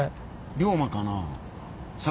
龍馬かな。